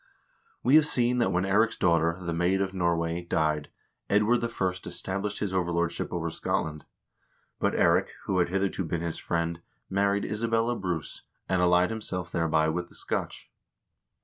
We have seen that when Eirik's daughter, the Maid of Norway, died, Edward I. established his overlordship over Scotland. But Eirik, who had hitherto been his friend, married Isabella Bruce, and allied himself thereby with the Scotch.